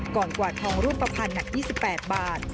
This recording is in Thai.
ก่อนกว่าทองรูปประพันธุ์หนัก๒๘บาท